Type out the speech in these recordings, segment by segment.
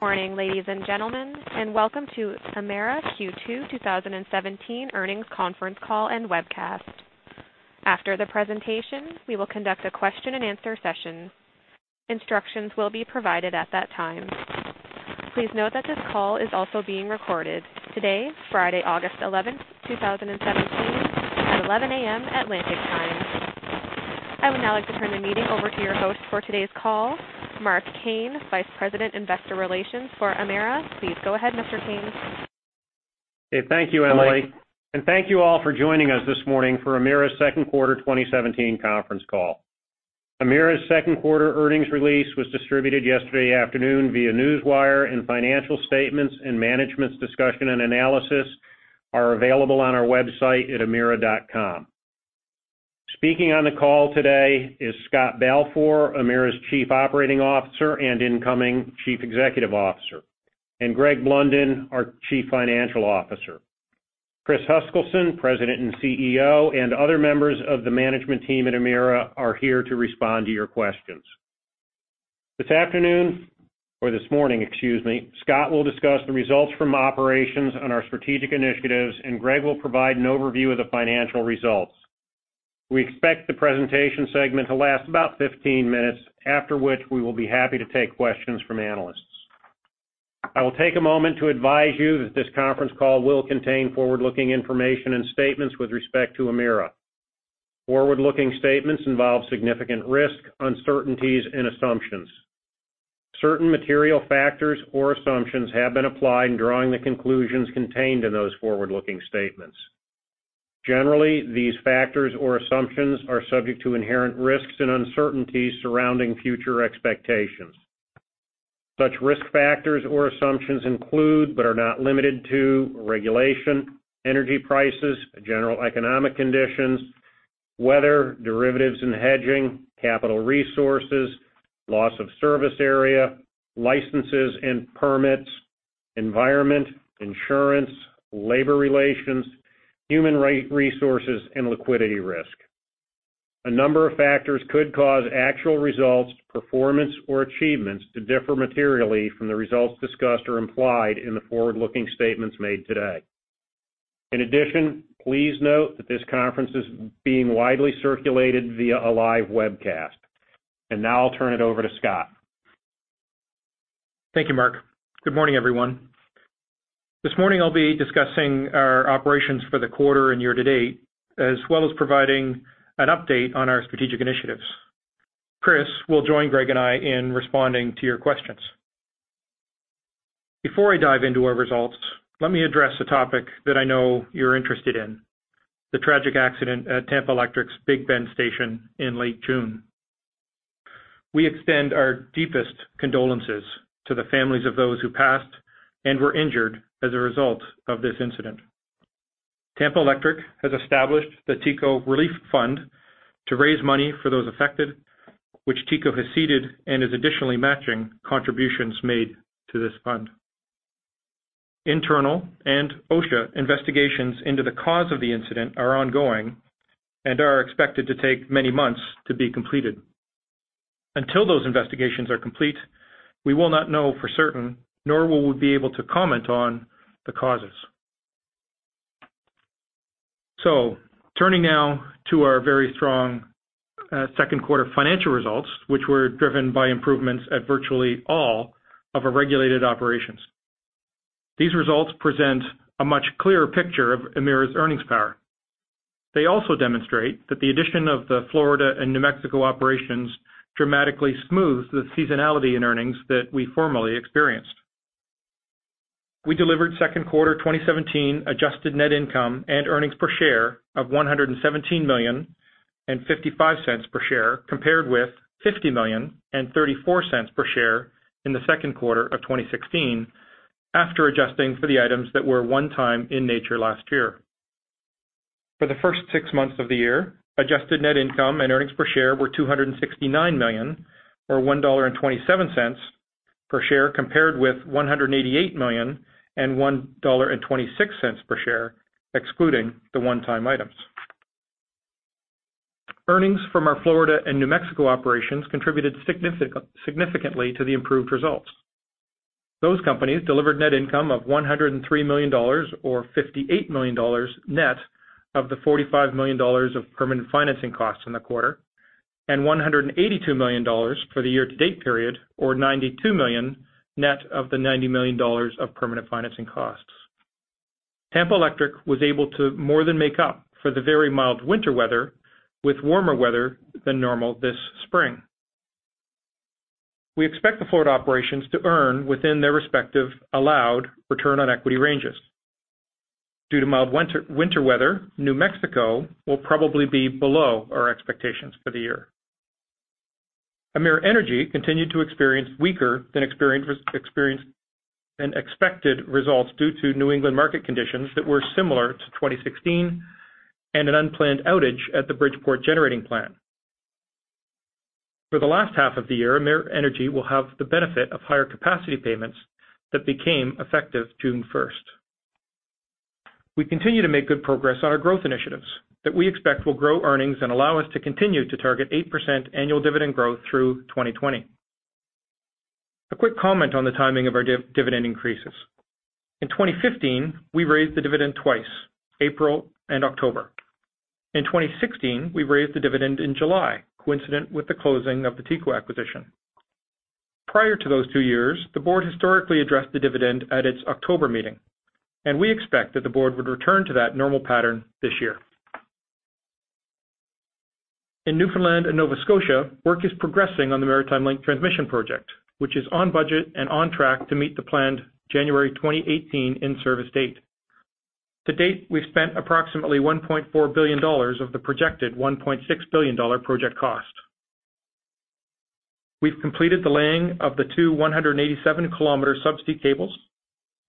Good morning, ladies and gentlemen, welcome to Emera Q2 2017 Earnings Conference Call and Webcast. After the presentation, we will conduct a question and answer session. Instructions will be provided at that time. Please note that this call is also being recorded. Today, Friday, August 11, 2017, at 11:00 A.M. Atlantic time. I would now like to turn the meeting over to your host for today's call, Mark Kane, Vice President, Investor Relations for Emera. Please go ahead, Mr. Kane. Thank you, Emily, thank you all for joining us this morning for Emera's second quarter 2017 conference call. Emera's second quarter earnings release was distributed yesterday afternoon via Newswire, financial statements and Management's Discussion and Analysis are available on our website at emera.com. Speaking on the call today is Scott Balfour, Emera's Chief Operating Officer and incoming Chief Executive Officer, Greg Blunden, our Chief Financial Officer. Chris Huskilson, President and CEO, and other members of the management team at Emera are here to respond to your questions. This afternoon or this morning, excuse me, Scott will discuss the results from operations on our strategic initiatives, Greg will provide an overview of the financial results. We expect the presentation segment to last about 15 minutes, after which we will be happy to take questions from analysts. I will take a moment to advise you that this conference call will contain forward-looking information and statements with respect to Emera. Forward-looking statements involve significant risk, uncertainties, and assumptions. Certain material factors or assumptions have been applied in drawing the conclusions contained in those forward-looking statements. Generally, these factors or assumptions are subject to inherent risks and uncertainties surrounding future expectations. Such risk factors or assumptions include, but are not limited to regulation, energy prices, general economic conditions, weather, derivatives and hedging, capital resources, loss of service area, licenses and permits, environment, insurance, labor relations, human resources, and liquidity risk. A number of factors could cause actual results, performance, or achievements to differ materially from the results discussed or implied in the forward-looking statements made today. In addition, please note that this conference is being widely circulated via a live webcast. Now I'll turn it over to Scott. Thank you, Mark. Good morning, everyone. This morning I'll be discussing our operations for the quarter and year to date, as well as providing an update on our strategic initiatives. Chris will join Greg and I in responding to your questions. Before I dive into our results, let me address a topic that I know you're interested in, the tragic accident at Tampa Electric's Big Bend Station in late June. We extend our deepest condolences to the families of those who passed and were injured as a result of this incident. Tampa Electric has established the TECO Relief Fund to raise money for those affected, which TECO has seeded and is additionally matching contributions made to this fund. Internal and OSHA investigations into the cause of the incident are ongoing and are expected to take many months to be completed. Until those investigations are complete, we will not know for certain, nor will we be able to comment on the causes. Turning now to our very strong second quarter financial results, which were driven by improvements at virtually all of our regulated operations. These results present a much clearer picture of Emera's earnings power. They also demonstrate that the addition of the Florida and New Mexico operations dramatically smooth the seasonality in earnings that we formerly experienced. We delivered second quarter 2017 adjusted net income and earnings per share of 117 million and 0.55 per share, compared with 50 million and 0.34 per share in the second quarter of 2016, after adjusting for the items that were one-time in nature last year. For the first six months of the year, adjusted net income and earnings per share were 269 million or 1.27 dollar per share compared with 188 million and 1.26 dollar per share, excluding the one-time items. Earnings from our Florida and New Mexico operations contributed significantly to the improved results. Those companies delivered net income of 103 million dollars, or 58 million dollars net of the 45 million dollars of permanent financing costs in the quarter, and 182 million dollars for the year-to-date period or 92 million net of the 90 million dollars of permanent financing costs. Tampa Electric was able to more than make up for the very mild winter weather with warmer weather than normal this spring. We expect the Florida operations to earn within their respective allowed return on equity ranges. Due to mild winter weather, New Mexico will probably be below our expectations for the year. Emera Energy continued to experience weaker than expected results due to New England market conditions that were similar to 2016 and an unplanned outage at the Bridgeport generating plant. For the last half of the year, Emera Energy will have the benefit of higher capacity payments that became effective June 1st. We continue to make good progress on our growth initiatives that we expect will grow earnings and allow us to continue to target 8% annual dividend growth through 2020. A quick comment on the timing of our dividend increases. In 2015, we raised the dividend twice, April and October. In 2016, we raised the dividend in July, coincident with the closing of the TECO acquisition. Prior to those two years, the board historically addressed the dividend at its October meeting, and we expect that the board would return to that normal pattern this year. In Newfoundland and Nova Scotia, work is progressing on the Maritime Link transmission project, which is on budget and on track to meet the planned January 2018 in-service date. To date, we've spent approximately 1.4 billion dollars of the projected 1.6 billion dollar project cost. We've completed the laying of the two 187-kilometer subsea cables,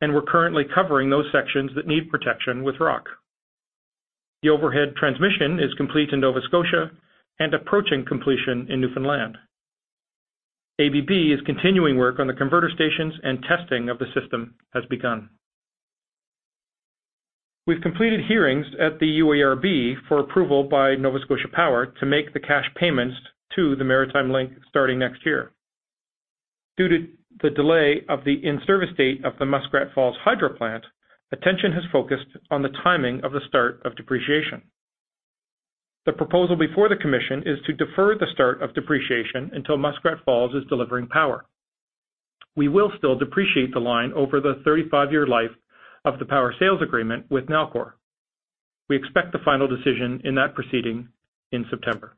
and we're currently covering those sections that need protection with rock. The overhead transmission is complete in Nova Scotia and approaching completion in Newfoundland. ABB is continuing work on the converter stations, and testing of the system has begun. We've completed hearings at the UARB for approval by Nova Scotia Power to make the cash payments to the Maritime Link starting next year. Due to the delay of the in-service date of the Muskrat Falls hydro plant, attention has focused on the timing of the start of depreciation. The proposal before the commission is to defer the start of depreciation until Muskrat Falls is delivering power. We will still depreciate the line over the 35-year life of the power sales agreement with Nalcor. We expect the final decision in that proceeding in September.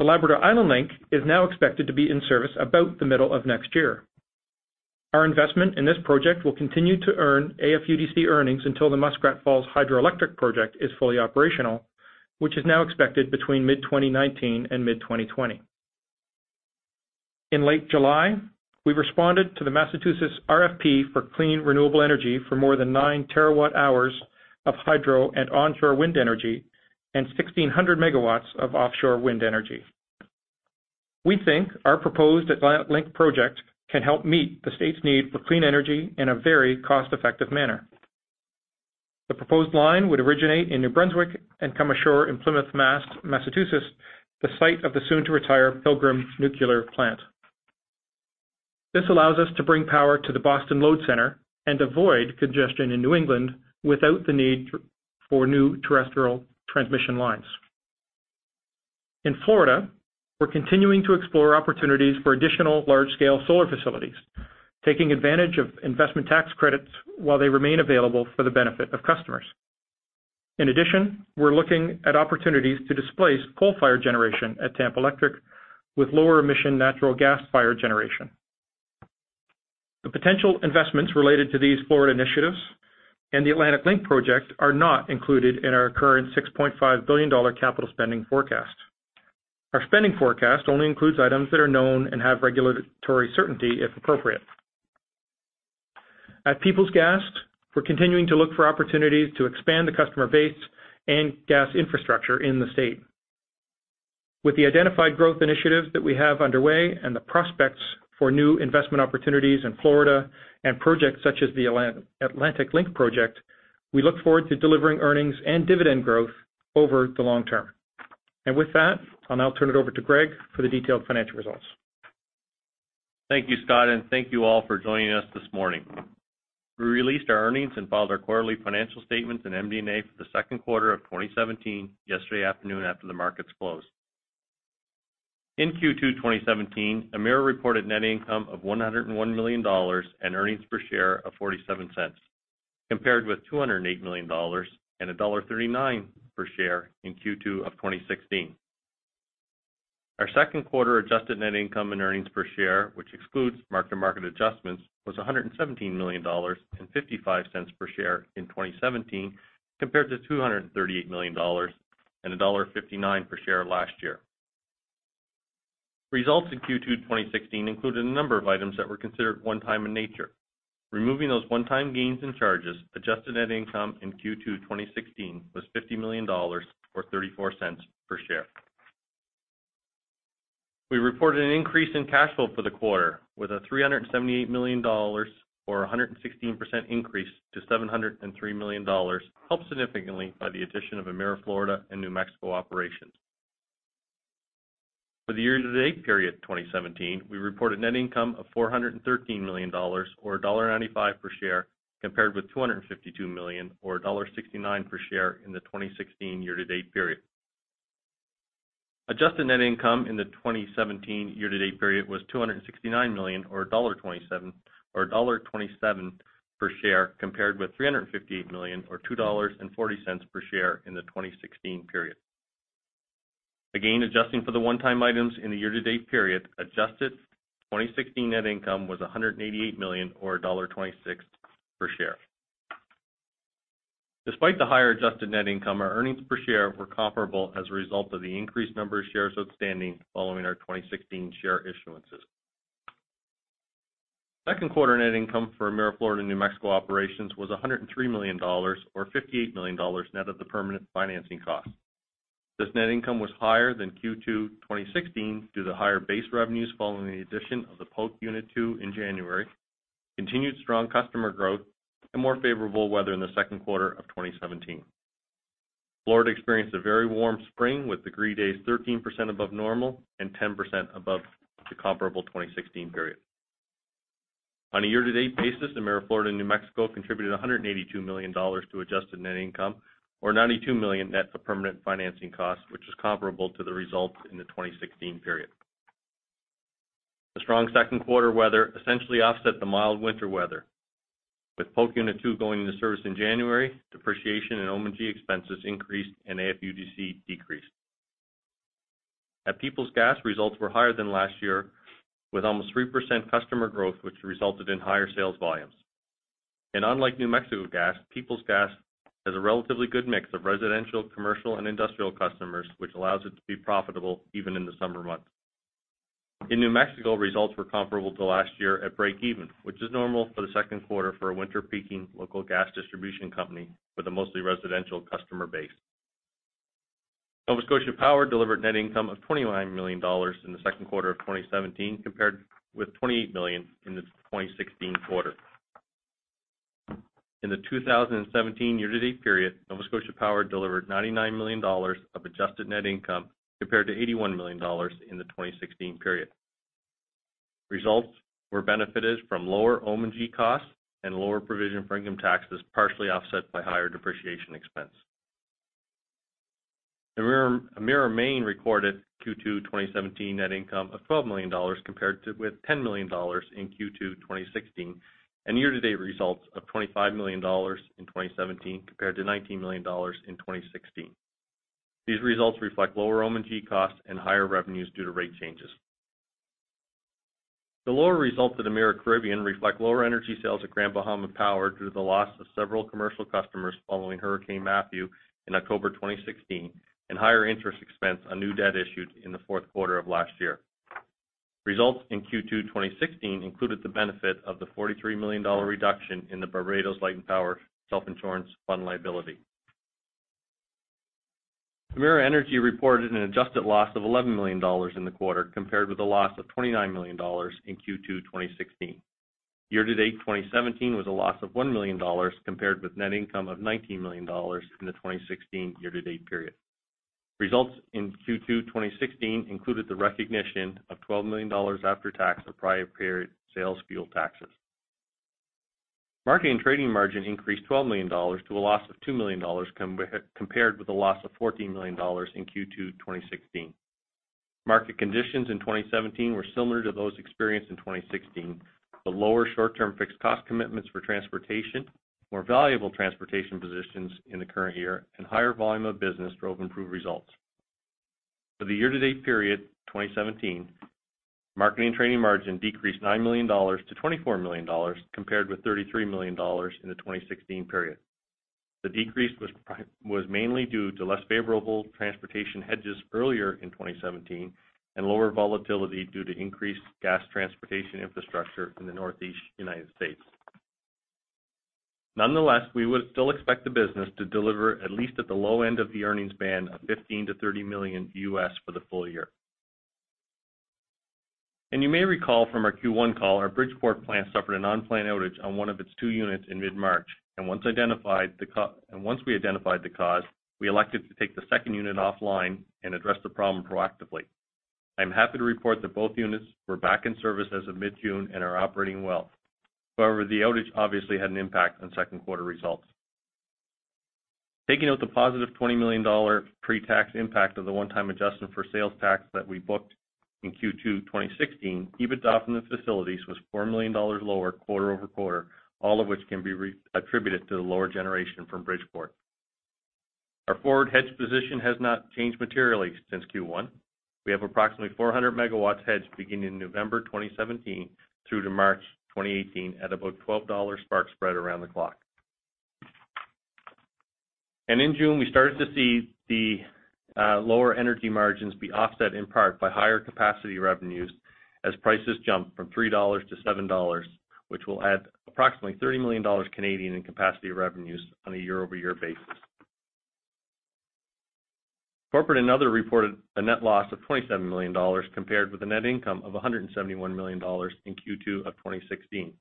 The Labrador-Island Link is now expected to be in service about the middle of next year. Our investment in this project will continue to earn AFUDC earnings until the Muskrat Falls hydroelectric project is fully operational, which is now expected between mid-2019 and mid-2020. In late July, we responded to the Massachusetts RFP for clean, renewable energy for more than nine terawatt-hours of hydro and onshore wind energy and 1,600 megawatts of offshore wind energy. We think our proposed Atlantic Link project can help meet the state's need for clean energy in a very cost-effective manner. The proposed line would originate in New Brunswick and come ashore in Plymouth, Massachusetts, the site of the soon-to-retire Pilgrim nuclear plant. This allows us to bring power to the Boston Load Center and avoid congestion in New England without the need for new terrestrial transmission lines. In Florida, we are continuing to explore opportunities for additional large-scale solar facilities, taking advantage of investment tax credits while they remain available for the benefit of customers. In addition, we are looking at opportunities to displace coal-fired generation at Tampa Electric with lower-emission natural gas-fired generation. The potential investments related to these Florida initiatives and the Atlantic Link project are not included in our current 6.5 billion dollar capital spending forecast. Our spending forecast only includes items that are known and have regulatory certainty, if appropriate. At Peoples Gas, we are continuing to look for opportunities to expand the customer base and gas infrastructure in the state. With the identified growth initiatives that we have underway and the prospects for new investment opportunities in Florida and projects such as the Atlantic Link project, we look forward to delivering earnings and dividend growth over the long term. With that, I will now turn it over to Greg for the detailed financial results. Thank you, Scott, and thank you all for joining us this morning. We released our earnings and filed our quarterly financial statements in MD&A for the second quarter of 2017 yesterday afternoon after the markets closed. In Q2 2017, Emera reported net income of 101 million dollars and earnings per share of 0.47, compared with 208 million dollars and dollar 1.39 per share in Q2 2016. Our second quarter adjusted net income and earnings per share, which excludes mark-to-market adjustments, was 117 million dollars and 0.55 per share in 2017, compared to 238 million dollars and dollar 1.59 per share last year. Results in Q2 2016 included a number of items that were considered one-time in nature. Removing those one-time gains and charges, adjusted net income in Q2 2016 was 50 million dollars, or 0.34 per share. We reported an increase in cash flow for the quarter, with a 378 million dollars or 116% increase to 703 million dollars, helped significantly by the addition of Emera Florida and New Mexico operations. For the year-to-date period 2017, we reported net income of 413 million dollars, or dollar 1.95 per share, compared with 252 million, or dollar 1.69 per share in the 2016 year-to-date period. Adjusted net income in the 2017 year-to-date period was 269 million, or 1.27 dollar per share, compared with 358 million, or 2.40 dollars per share in the 2016 period. Adjusting for the one-time items in the year-to-date period, adjusted 2016 net income was 188 million, or CAD 1.26 per share. Despite the higher adjusted net income, our earnings per share were comparable as a result of the increased number of shares outstanding following our 2016 share issuances. Second quarter net income for Emera Florida and New Mexico operations was 103 million dollars, or 58 million dollars net of the permanent financing cost. This net income was higher than Q2 2016 due to the higher base revenues following the addition of the Polk Unit 2 in January, continued strong customer growth, and more favorable weather in the second quarter of 2017. Florida experienced a very warm spring with degree days 13% above normal and 10% above the comparable 2016 period. On a year-to-date basis, Emera Florida and New Mexico contributed 182 million dollars to adjusted net income, or 92 million net of permanent financing costs, which is comparable to the results in the 2016 period. The strong second quarter weather essentially offset the mild winter weather. With Polk Unit 2 going into service in January, depreciation and O&M expenses increased and AFUDC decreased. At Peoples Gas, results were higher than last year with almost 3% customer growth, which resulted in higher sales volumes. Unlike New Mexico Gas, Peoples Gas has a relatively good mix of residential, commercial, and industrial customers, which allows it to be profitable even in the summer months. In New Mexico, results were comparable to last year at breakeven, which is normal for the second quarter for a winter-peaking local gas distribution company with a mostly residential customer base. Nova Scotia Power delivered net income of 29 million dollars in the second quarter of 2017, compared with 28 million in the 2016 quarter. In the 2017 year-to-date period, Nova Scotia Power delivered 99 million dollars of adjusted net income compared to 81 million dollars in the 2016 period. Results were benefited from lower O&M costs and lower provision for income taxes, partially offset by higher depreciation expense. Emera Maine recorded Q2 2017 net income of CAD 12 million compared with CAD 10 million in Q2 2016, and year-to-date results of CAD 25 million in 2017 compared to CAD 19 million in 2016. These results reflect lower O&M costs and higher revenues due to rate changes. The lower results at Emera Caribbean reflect lower energy sales at Grand Bahama Power due to the loss of several commercial customers following Hurricane Matthew in October 2016, and higher interest expense on new debt issued in the fourth quarter of last year. Results in Q2 2016 included the benefit of the 43 million dollar reduction in the Barbados Light & Power self-insurance fund liability. Emera Energy reported an adjusted loss of 11 million dollars in the quarter, compared with a loss of 29 million dollars in Q2 2016. Year-to-date 2017 was a loss of 1 million dollars, compared with net income of 19 million dollars in the 2016 year-to-date period. Results in Q2 2016 included the recognition of 12 million dollars after-tax of prior period sales fuel taxes. Marketing and Trading margin increased 12 million dollars to a loss of 2 million dollars, compared with a loss of 14 million dollars in Q2 2016. Market conditions in 2017 were similar to those experienced in 2016, with lower short-term fixed cost commitments for transportation, more valuable transportation positions in the current year, higher volume of business drove improved results. For the year-to-date period 2017, Marketing and Trading margin decreased 9 million dollars to 24 million dollars, compared with 33 million dollars in the 2016 period. The decrease was mainly due to less favorable transportation hedges earlier in 2017 and lower volatility due to increased gas transportation infrastructure in the Northeast U.S. We would still expect the business to deliver at least at the low end of the earnings band of $15 million-$30 million U.S. for the full year. You may recall from our Q1 call, our Bridgeport plant suffered an unplanned outage on one of its two units in mid-March. Once we identified the cause, we elected to take the second unit offline and address the problem proactively. I'm happy to report that both units were back in service as of mid-June and are operating well. However, the outage obviously had an impact on second quarter results. Taking out the positive 20 million dollar pre-tax impact of the one-time adjustment for sales tax that we booked in Q2 2016, EBITDA from the facilities was 4 million dollars lower quarter-over-quarter, all of which can be attributed to the lower generation from Bridgeport. Our forward hedge position has not changed materially since Q1. We have approximately 400 megawatts hedged beginning November 2017 through to March 2018 at about 12 dollar spark spread around the clock. In June, we started to see the lower energy margins be offset in part by higher capacity revenues as prices jump from 3-7 dollars, which will add approximately 30 million Canadian dollars in capacity revenues on a year-over-year basis. Corporate and Other reported a net loss of 27 million dollars, compared with a net income of 171 million dollars in Q2 of 2016.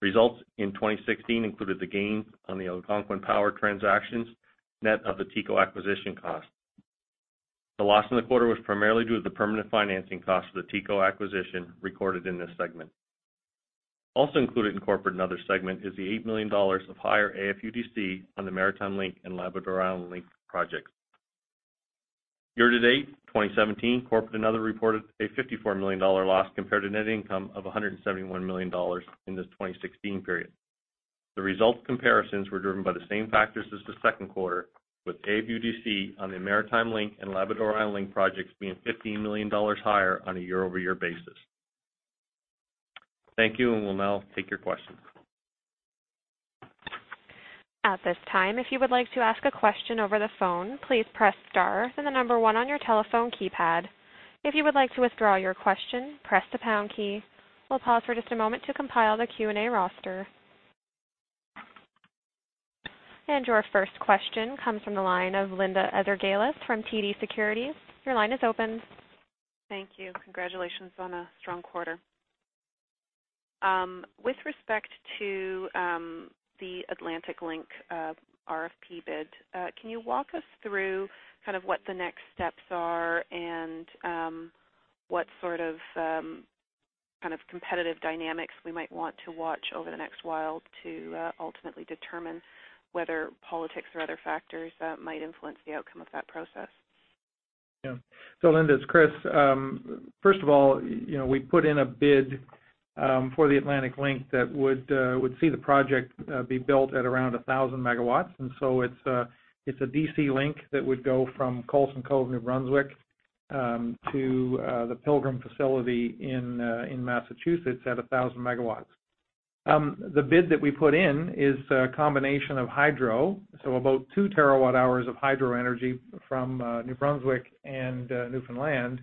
Results in 2016 included the gain on the Algonquin Power transactions, net of the TECO acquisition cost. The loss in the quarter was primarily due to the permanent financing cost of the TECO acquisition recorded in this segment. Also included in Corporate and Other segment is the 8 million dollars of higher AFUDC on the Maritime Link and Labrador-Island Link projects. Year-to-date 2017, Corporate and Other reported a CAD 54 million loss compared to net income of CAD 171 million in the 2016 period. The result comparisons were driven by the same factors as the second quarter, with AFUDC on the Maritime Link and Labrador-Island Link projects being 15 million dollars higher on a year-over-year basis. Thank you, we'll now take your questions. At this time, if you would like to ask a question over the phone, please press star then the number one on your telephone keypad. If you would like to withdraw your question, press the pound key. We'll pause for just a moment to compile the Q&A roster. Your first question comes from the line of Linda Ezergailis from TD Securities. Your line is open. Thank you. Congratulations on a strong quarter. With respect to the Atlantic Link RFP bid, can you walk us through what the next steps are and what sort of competitive dynamics we might want to watch over the next while to ultimately determine whether politics or other factors might influence the outcome of that process? Yeah. Linda, it's Chris. First of all, we put in a bid for the Atlantic Link that would see the project be built at around 1,000 megawatts. It's a DC link that would go from Coleson Cove, New Brunswick, to the Pilgrim facility in Massachusetts at 1,000 megawatts. The bid that we put in is a combination of hydro, so about 2 terawatt hours of hydro energy from New Brunswick and Newfoundland,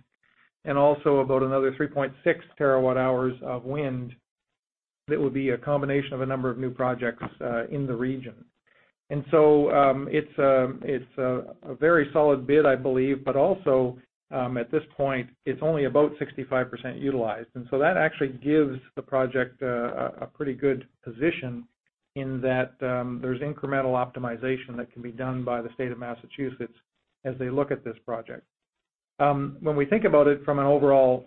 also about another 3.6 terawatt hours of wind that would be a combination of a number of new projects in the region. It's a very solid bid, I believe, but also, at this point, it's only about 65% utilized. That actually gives the project a pretty good position in that there's incremental optimization that can be done by the state of Massachusetts as they look at this project. When we think about it from an overall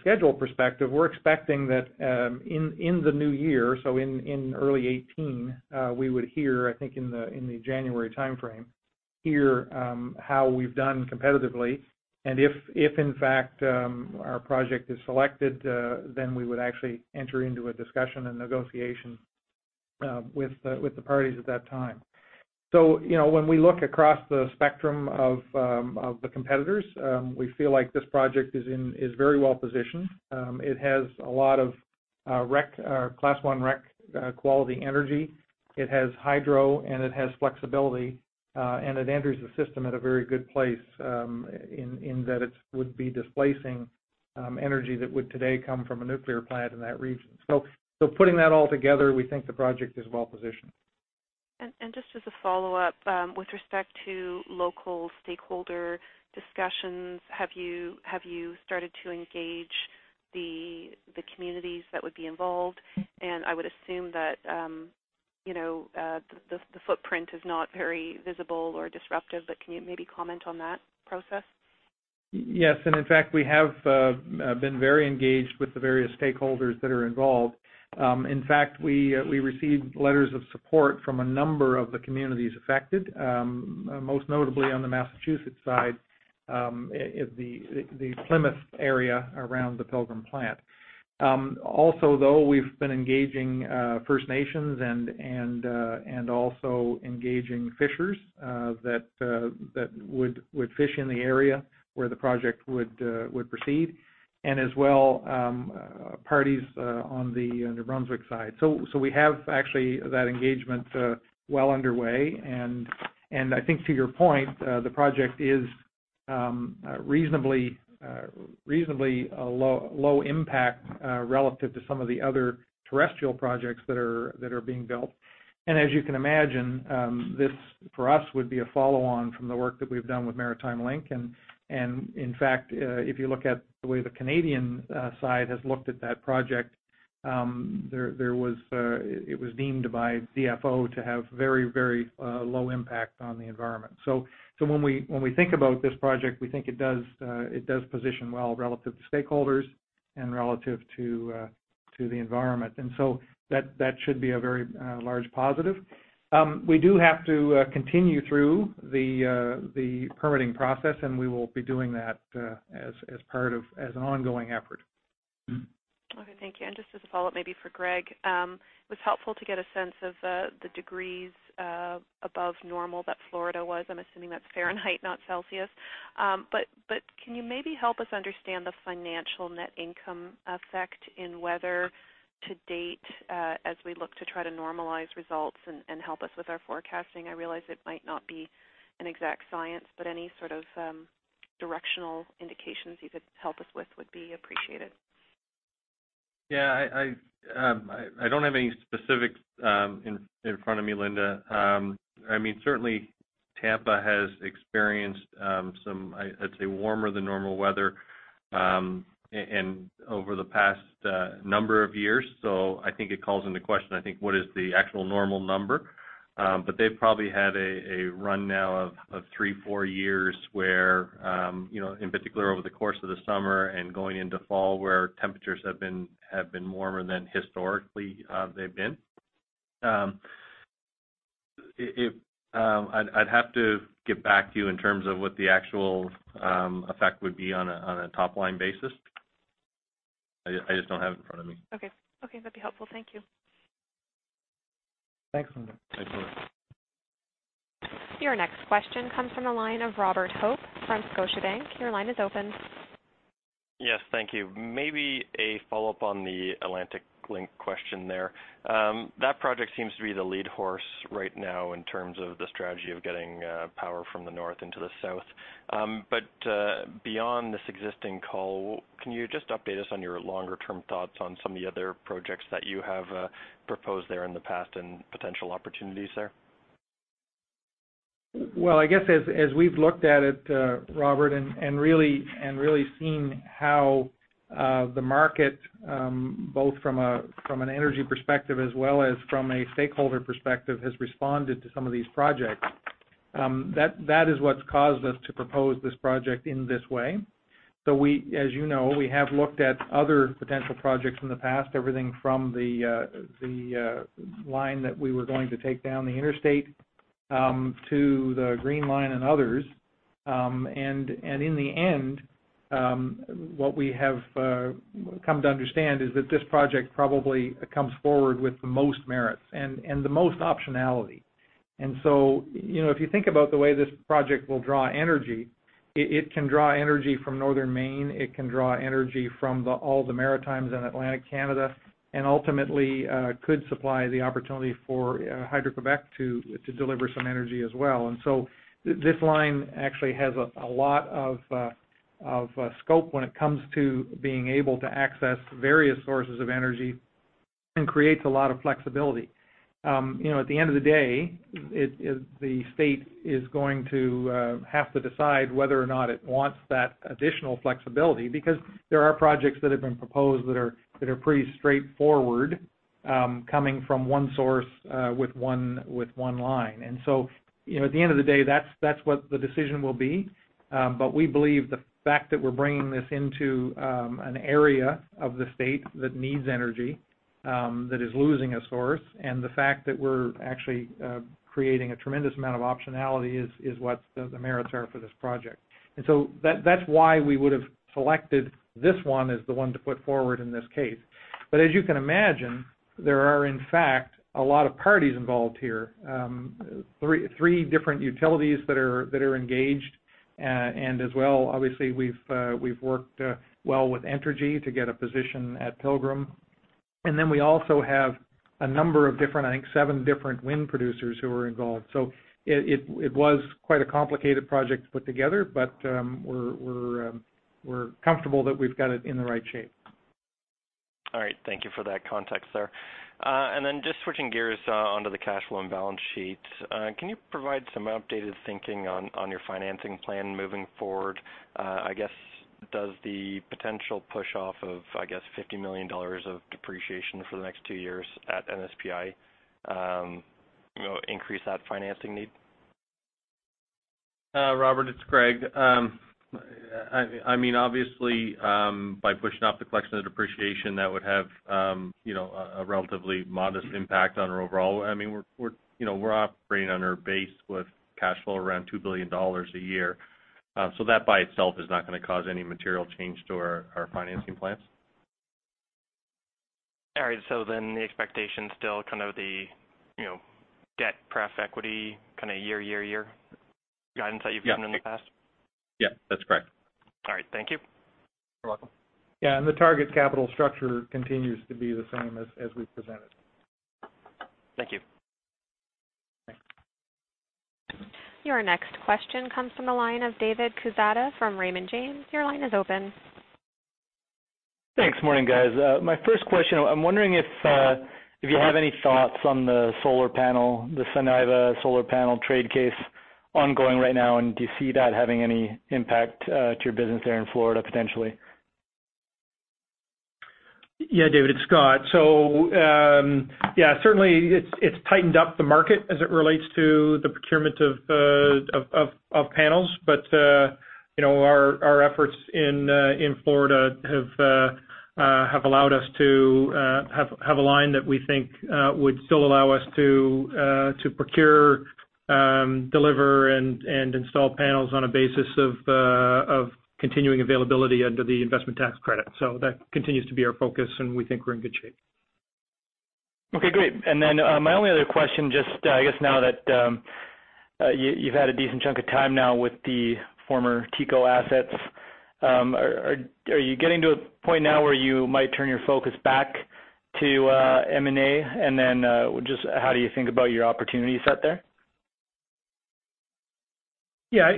schedule perspective, we're expecting that in the new year, so in early 2018, we would hear, I think in the January timeframe, how we've done competitively. If in fact our project is selected, then we would actually enter into a discussion and negotiation with the parties at that time. When we look across the spectrum of the competitors, we feel like this project is very well-positioned. It has a lot of Class 1 REC quality energy. It has hydro, and it has flexibility, and it enters the system at a very good place, in that it would be displacing energy that would today come from a nuclear plant in that region. Putting that all together, we think the project is well-positioned. Just as a follow-up, with respect to local stakeholder discussions, have you started to engage the communities that would be involved? I would assume that the footprint is not very visible or disruptive, but can you maybe comment on that process? Yes, in fact, we have been very engaged with the various stakeholders that are involved. In fact, we received letters of support from a number of the communities affected, most notably on the Massachusetts side, the Plymouth area around the Pilgrim plant. Also, though, we've been engaging First Nations and also engaging fishers that would fish in the area where the project would proceed, as well, parties on the New Brunswick side. We have actually that engagement well underway, I think to your point, the project is reasonably low impact relative to some of the other terrestrial projects that are being built. As you can imagine, this for us would be a follow-on from the work that we've done with Maritime Link. In fact, if you look at the way the Canadian side has looked at that project, it was deemed by DFO to have very low impact on the environment. When we think about this project, we think it does position well relative to stakeholders and relative to the environment. That should be a very large positive. We do have to continue through the permitting process, and we will be doing that as an ongoing effort. Okay, thank you. Just as a follow-up, maybe for Greg. It was helpful to get a sense of the degrees above normal that Florida was. I'm assuming that's degrees Fahrenheit, not degrees Celsius. Can you maybe help us understand the financial net income effect in weather to date as we look to try to normalize results and help us with our forecasting? I realize it might not be an exact science, but any sort of directional indications you could help us with would be appreciated. I don't have any specifics in front of me, Linda. Certainly, Tampa has experienced some, I'd say, warmer than normal weather over the past number of years. I think it calls into question, I think, what is the actual normal number. They've probably had a run now of three, four years where, in particular over the course of the summer and going into fall, where temperatures have been warmer than historically they've been. I'd have to get back to you in terms of what the actual effect would be on a top-line basis. I just don't have it in front of me. Okay. That'd be helpful. Thank you. Thanks, Linda. Thanks, Linda. Your next question comes from the line of Robert Hope from Scotiabank. Your line is open. Yes, thank you. Maybe a follow-up on the Atlantic Link question there. That project seems to be the lead horse right now in terms of the strategy of getting power from the north into the south. Beyond this existing call, can you just update us on your longer-term thoughts on some of the other projects that you have proposed there in the past and potential opportunities there? Well, I guess as we've looked at it, Robert, and really seen how the market, both from an energy perspective as well as from a stakeholder perspective, has responded to some of these projects, that is what's caused us to propose this project in this way. As you know, we have looked at other potential projects in the past, everything from the line that we were going to take down the interstate to the Green Line and others. In the end, what we have come to understand is that this project probably comes forward with the most merits and the most optionality. If you think about the way this project will draw energy, it can draw energy from Northern Maine, it can draw energy from all the Maritimes and Atlantic Canada, and ultimately could supply the opportunity for Hydro-Québec to deliver some energy as well. This line actually has a lot of scope when it comes to being able to access various sources of energy and creates a lot of flexibility. At the end of the day, the state is going to have to decide whether or not it wants that additional flexibility, because there are projects that have been proposed that are pretty straightforward, coming from one source with one line. At the end of the day, that's what the decision will be. We believe the fact that we're bringing this into an area of the state that needs energy, that is losing a source, and the fact that we're actually creating a tremendous amount of optionality is what the merits are for this project. That's why we would've selected this one as the one to put forward in this case. As you can imagine, there are in fact, a lot of parties involved here. Three different utilities that are engaged. As well, obviously, we've worked well with Entergy to get a position at Pilgrim. Then we also have a number of different, I think, seven different wind producers who are involved. It was quite a complicated project to put together, but we're comfortable that we've got it in the right shape. All right. Thank you for that context there. Then just switching gears onto the cash flow and balance sheet. Can you provide some updated thinking on your financing plan moving forward? I guess, does the potential push-off of, I guess 50 million dollars of depreciation for the next two years at NSPI increase that financing need? Robert, it's Greg. Obviously, by pushing off the collection of depreciation, that would have a relatively modest impact on our overall. We're operating on our base with cash flow around 2 billion dollars a year. That by itself is not going to cause any material change to our financing plans. All right. The expectation still kind of the debt pref equity kind of year guidance that you've given in the past? Yeah, that's correct. All right. Thank you. You're welcome. Yeah, the target capital structure continues to be the same as we've presented. Thank you. Thanks. Your next question comes from the line of David Quezada from Raymond James. Your line is open. Thanks. Morning, guys. My first question, I'm wondering if you have any thoughts on the solar panel, the Suniva solar panel trade case ongoing right now, and do you see that having any impact to your business there in Florida potentially? Yeah, David, it's Scott. Yeah, certainly it's tightened up the market as it relates to the procurement of panels. Our efforts in Florida have allowed us to have a line that we think would still allow us to procure, deliver, and install panels on a basis of continuing availability under the investment tax credit. That continues to be our focus, and we think we're in good shape. Okay, great. My only other question, just I guess now that you've had a decent chunk of time now with the former TECO assets, are you getting to a point now where you might turn your focus back to M&A? Just how do you think about your opportunity set there? Yeah,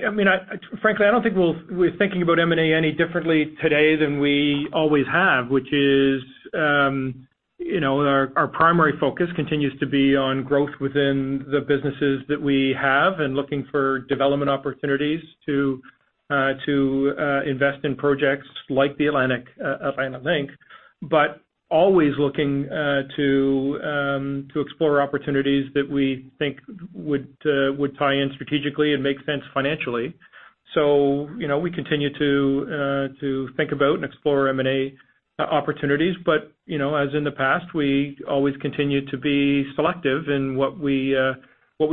frankly, I don't think we're thinking about M&A any differently today than we always have, which is our primary focus continues to be on growth within the businesses that we have and looking for development opportunities to invest in projects like the Atlantic Link. Always looking to explore opportunities that we think would tie in strategically and make sense financially. We continue to think about and explore M&A opportunities. As in the past, we always continue to be selective in what we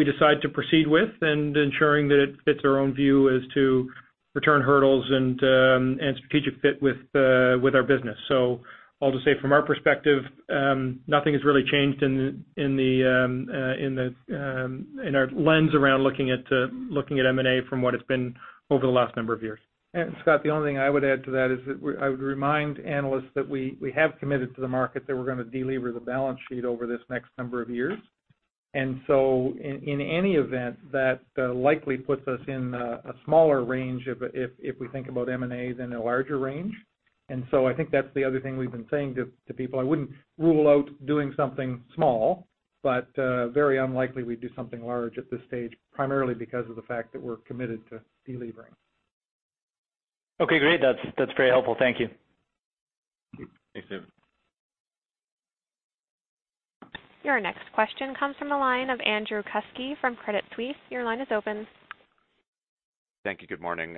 decide to proceed with and ensuring that it fits our own view as to return hurdles and strategic fit with our business. All to say, from our perspective, nothing has really changed in our lens around looking at M&A from what it's been over the last number of years. Scott, the only thing I would add to that is that I would remind analysts that we have committed to the market, that we're going to de-lever the balance sheet over this next number of years. In any event, that likely puts us in a smaller range if we think about M&A than a larger range. I think that's the other thing we've been saying to people. I wouldn't rule out doing something small, but very unlikely we'd do something large at this stage, primarily because of the fact that we're committed to de-levering. Okay, great. That is very helpful. Thank you. Thanks, David. Your next question comes from the line of Andrew Kuske from Credit Suisse. Your line is open. Thank you. Good morning.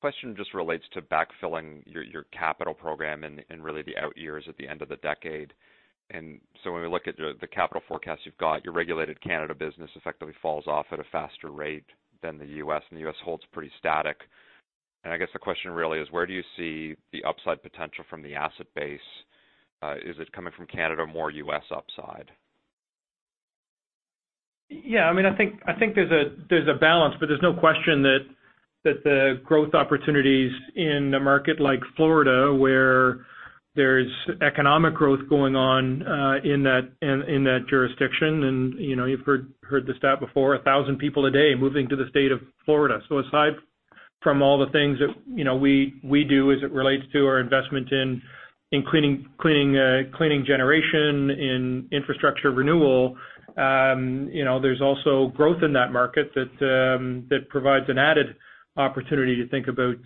Question just relates to backfilling your capital program in really the out years at the end of the decade. When we look at the capital forecast you have got, your regulated Canada business effectively falls off at a faster rate than the U.S., and the U.S. holds pretty static. I guess the question really is: where do you see the upside potential from the asset base? Is it coming from Canada, more U.S. upside? Yeah. I think there's a balance, but there's no question that the growth opportunities in a market like Florida, where there's economic growth going on in that jurisdiction, you've heard the stat before, 1,000 people a day are moving to the state of Florida. Aside from all the things that we do as it relates to our investment in cleaning generation, in infrastructure renewal, there's also growth in that market that provides an added opportunity to think about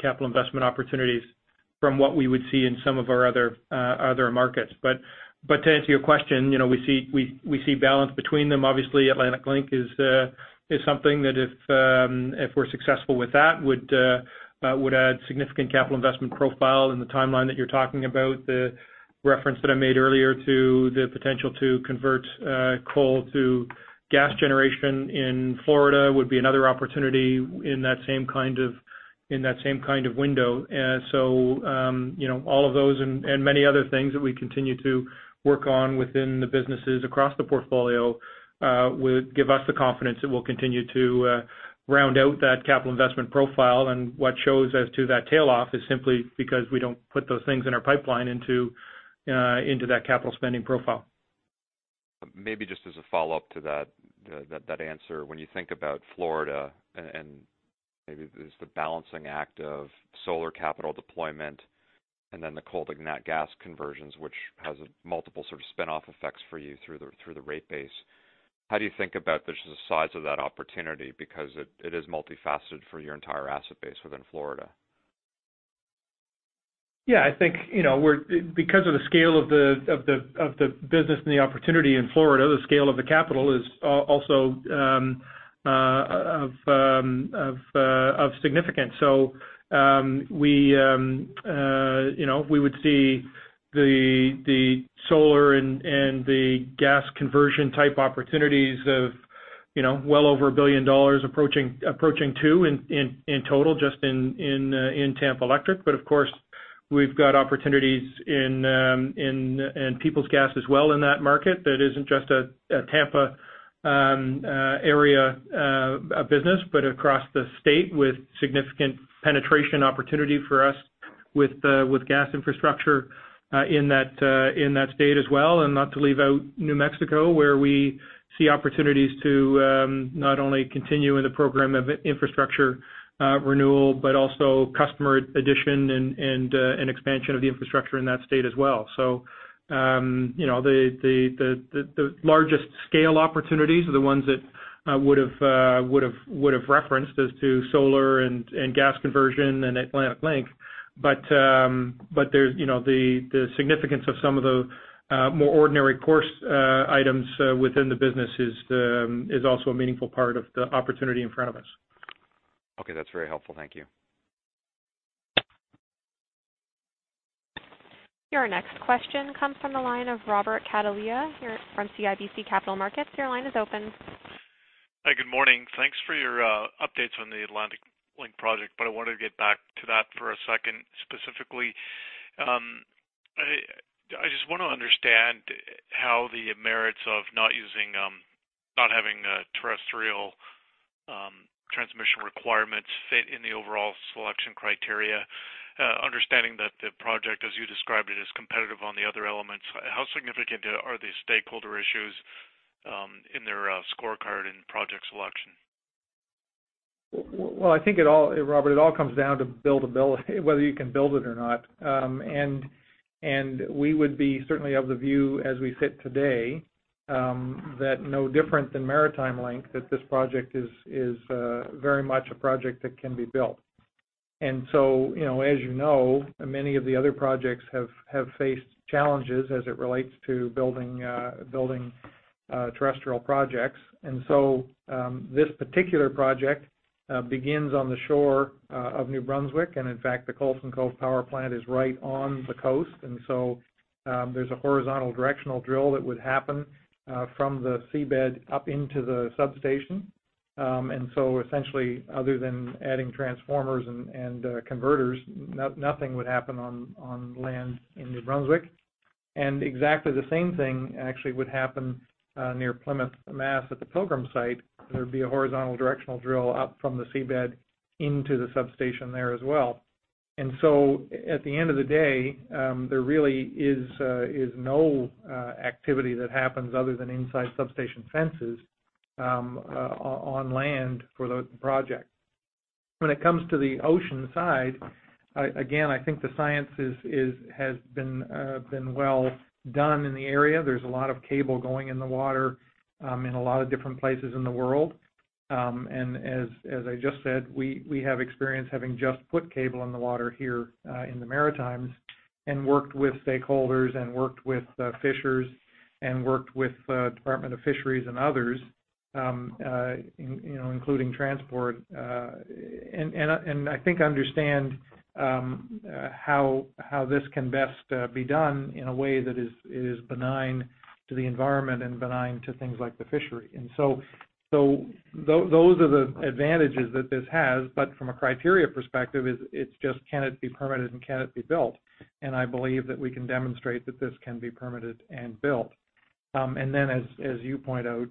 capital investment opportunities from what we would see in some of our other markets. To answer your question, we see balance between them. Obviously, Atlantic Link is something that if we're successful with that, would add significant capital investment profile in the timeline that you're talking about. The reference that I made earlier to the potential to convert coal to gas generation in Florida would be another opportunity in that same kind of window. All of those and many other things that we continue to work on within the businesses across the portfolio give us the confidence that we'll continue to round out that capital investment profile. What shows as to that tail off is simply because we don't put those things in our pipeline into that capital spending profile. Maybe just as a follow-up to that answer. When you think about Florida, and maybe there's the balancing act of solar capital deployment and then the coal to nat gas conversions, which has multiple sort of spinoff effects for you through the rate base. How do you think about just the size of that opportunity? Because it is multifaceted for your entire asset base within Florida. Yeah. I think, because of the scale of the business and the opportunity in Florida, the scale of the capital is also of significance. We would see the solar and the gas conversion-type opportunities of well over 1 billion dollars, approaching 2 billion in total just in Tampa Electric. Of course, we've got opportunities in Peoples Gas as well in that market, that isn't just a Tampa area business, but across the state with significant penetration opportunity for us with gas infrastructure in that state as well. Not to leave out New Mexico, where we see opportunities to not only continue in the program of infrastructure renewal, but also customer addition and expansion of the infrastructure in that state as well. The largest scale opportunities are the ones that I would have referenced as to solar and gas conversion and Atlantic Link. the significance of some of the more ordinary course items within the business is also a meaningful part of the opportunity in front of us. Okay. That's very helpful. Thank you. Your next question comes from the line of Robert Catellier from CIBC Capital Markets. Your line is open. Hi. Good morning. Thanks for your updates on the Atlantic Link project, but I wanted to get back to that for a second. Specifically, I just want to understand how the merits of not having terrestrial transmission requirements fit in the overall selection criteria. Understanding that the project, as you described it, is competitive on the other elements. How significant are the stakeholder issues in their scorecard in project selection? Well, I think, Robert, it all comes down to buildability, whether you can build it or not. We would be certainly of the view, as we sit today, that no different than Maritime Link, this project is very much a project that can be built. As you know, many of the other projects have faced challenges as it relates to building terrestrial projects. This particular project begins on the shore of New Brunswick. In fact, the Coleson Cove Power Plant is right on the coast. There's a horizontal directional drill that would happen from the seabed up into the substation. Essentially, other than adding transformers and converters, nothing would happen on land in New Brunswick. Exactly the same thing actually would happen near Plymouth, Mass, at the Pilgrim site. There would be a horizontal directional drill up from the seabed into the substation there as well. At the end of the day, there really is no activity that happens other than inside substation fences on land for the project. When it comes to the ocean side, again, I think the science has been well done in the area. There's a lot of cable going in the water in a lot of different places in the world. As I just said, we have experience having just put cable in the water here in the Maritimes and worked with stakeholders and worked with fishers and worked with Department of Fisheries and others, including transport. I think understand how this can best be done in a way that is benign to the environment and benign to things like the fishery. Those are the advantages that this has. From a criteria perspective, it's just can it be permitted and can it be built? I believe that we can demonstrate that this can be permitted and built. Then, as you point out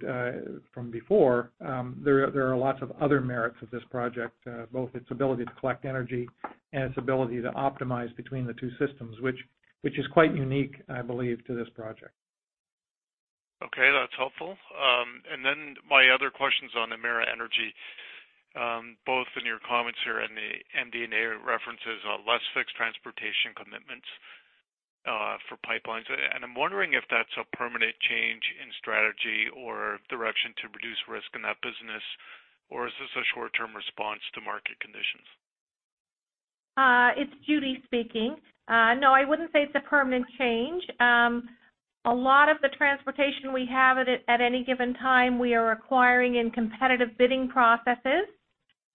from before, there are lots of other merits of this project, both its ability to collect energy and its ability to optimize between the two systems, which is quite unique, I believe, to this project. Okay, that's helpful. My other question's on Emera Energy. Both in your comments here and the MD&A references are less fixed transportation commitments for pipelines. I'm wondering if that's a permanent change in strategy or direction to reduce risk in that business, or is this a short-term response to market conditions? It's Judy speaking. I wouldn't say it's a permanent change. A lot of the transportation we have at any given time, we are acquiring in competitive bidding processes.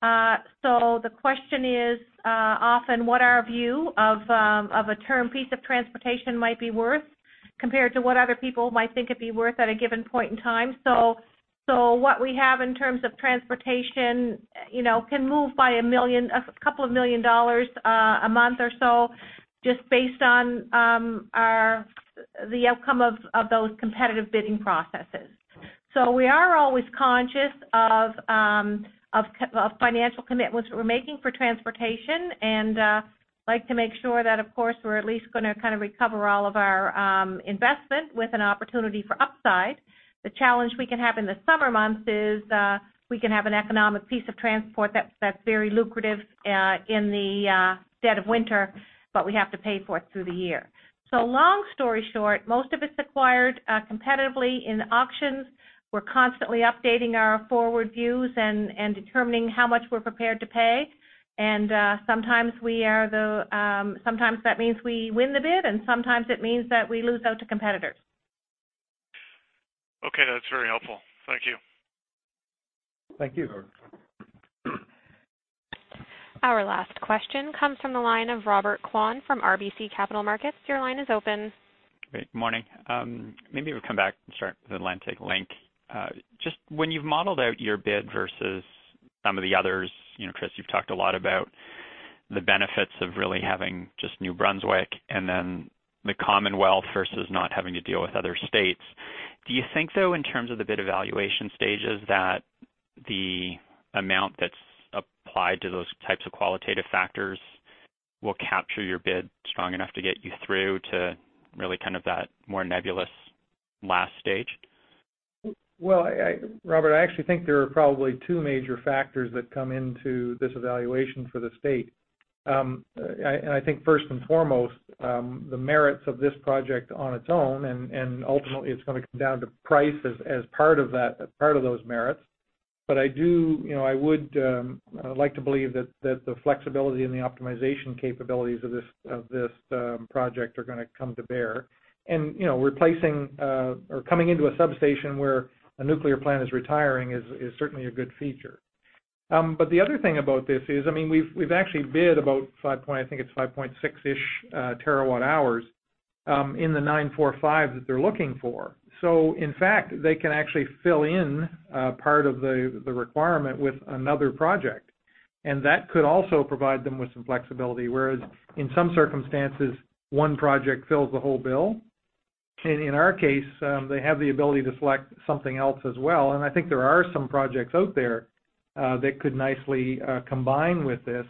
The question is often, what our view of a term piece of transportation might be worth compared to what other people might think it'd be worth at a given point in time. What we have in terms of transportation can move by a couple of million dollars a month or so just based on the outcome of those competitive bidding processes. We are always conscious of financial commitments that we're making for transportation and like to make sure that, of course, we're at least going to kind of recover all of our investment with an opportunity for upside. The challenge we can have in the summer months is, we can have an economic piece of transport that's very lucrative in the dead of winter, but we have to pay for it through the year. Long story short, most of it's acquired competitively in auctions. We're constantly updating our forward views and determining how much we're prepared to pay. Sometimes that means we win the bid, and sometimes it means that we lose out to competitors. Okay, that's very helpful. Thank you. Thank you. Sure. Our last question comes from the line of Robert Kwan from RBC Capital Markets. Your line is open. Great. Morning. Maybe we'll come back and start with Atlantic Link. Just when you've modeled out your bid versus some of the others, Chris, you've talked a lot about the benefits of really having just New Brunswick and then the Commonwealth versus not having to deal with other states. Do you think, though, in terms of the bid evaluation stages that the amount that's applied to those types of qualitative factors will capture your bid strong enough to get you through to really kind of that more nebulous last stage? Well, Robert, I actually think there are probably two major factors that come into this evaluation for the state. I think first and foremost, the merits of this project on its own, and ultimately, it's going to come down to price as part of those merits. I would like to believe that the flexibility and the optimization capabilities of this project are going to come to bear. Replacing or coming into a substation where a nuclear plant is retiring is certainly a good feature. The other thing about this is, we've actually bid about, I think it's 5.6-ish terawatt hours in the 945 million that they're looking for. In fact, they can actually fill in part of the requirement with another project, and that could also provide them with some flexibility, whereas in some circumstances, one project fills the whole bill. In our case, they have the ability to select something else as well, and I think there are some projects out there that could nicely combine with this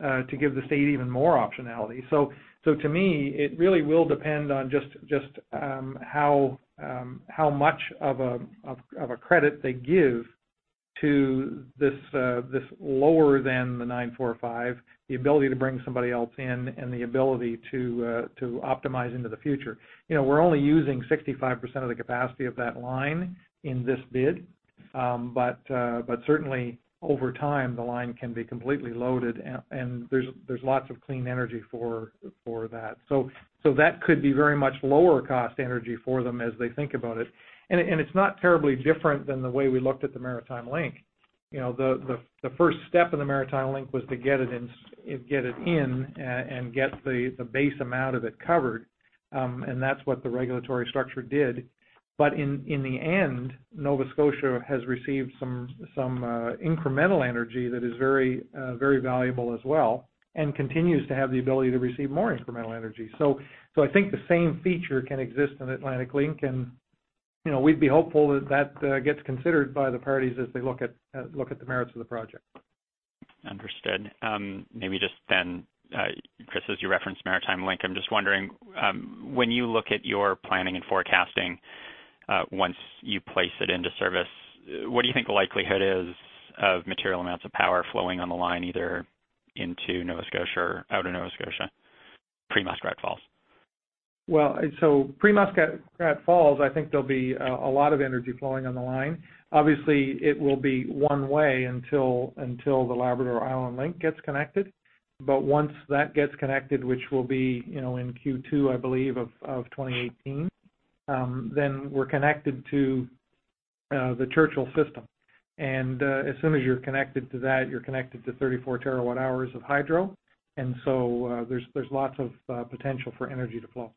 to give the state even more optionality. To me, it really will depend on just how much of a credit they give to this lower than the 945 million, the ability to bring somebody else in, and the ability to optimize into the future. We're only using 65% of the capacity of that line in this bid. Certainly, over time, the line can be completely loaded, and there's lots of clean energy for that. That could be very much lower cost energy for them as they think about it. It's not terribly different than the way we looked at the Maritime Link. The first step in the Maritime Link was to get it in and get the base amount of it covered. That's what the regulatory structure did. In the end, Nova Scotia has received some incremental energy that is very valuable as well and continues to have the ability to receive more incremental energy. I think the same feature can exist in Atlantic Link. We'd be hopeful that that gets considered by the parties as they look at the merits of the project. Understood. Maybe just then, Chris, as you referenced Maritime Link, I'm just wondering, when you look at your planning and forecasting once you place it into service, what do you think the likelihood is of material amounts of power flowing on the line, either into Nova Scotia or out of Nova Scotia, pre-Muskrat Falls? Pre-Muskrat Falls, I think there'll be a lot of energy flowing on the line. Obviously, it will be one way until the Labrador-Island Link gets connected. Once that gets connected, which will be in Q2, I believe, of 2018, we're connected to the Churchill system. As soon as you're connected to that, you're connected to 34 terawatt hours of hydro. There's lots of potential for energy to flow.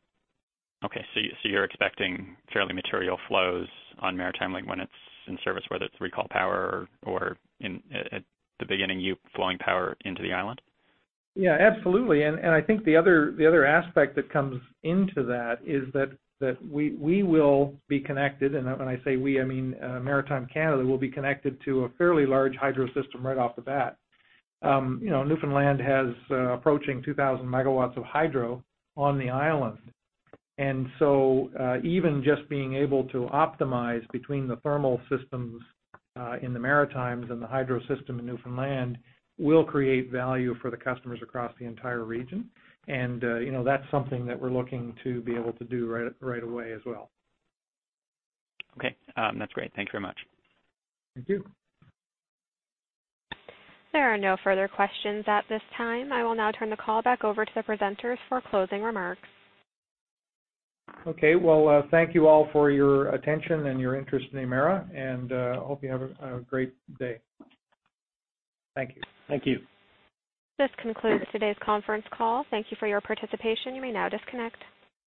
Okay. You're expecting fairly material flows on Maritime Link when it's in service, whether it's recall power or at the beginning, you flowing power into the island? Yeah, absolutely. I think the other aspect that comes into that is that we will be connected, and when I say we, I mean Maritime Canada, will be connected to a fairly large hydro system right off the bat. Newfoundland has approaching 2,000 megawatts of hydro on the island. Even just being able to optimize between the thermal systems in the Maritimes and the hydro system in Newfoundland will create value for the customers across the entire region. That's something that we're looking to be able to do right away as well. Okay. That's great. Thank you very much. Thank you. There are no further questions at this time. I will now turn the call back over to the presenters for closing remarks. Okay. Well, thank you all for your attention and your interest in Emera. I hope you have a great day. Thank you. Thank you. This concludes today's conference call. Thank you for your participation. You may now disconnect.